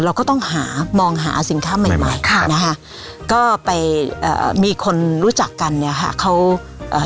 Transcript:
เราก็ต้องหามองหาสินค้าใหม่ใหม่ค่ะนะฮะก็ไปเอ่อมีคนรู้จักกันเนี่ยค่ะเขาเอ่อ